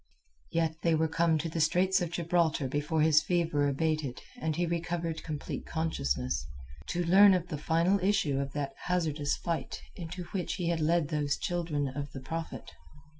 Yet they were come to the straits of Gibraltar before his fever abated and he recovered complete consciousness, to learn of the final issue of that hazardous fight into which he had led those children of the Prophet.